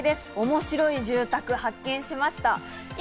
面白い住宅を発見しました。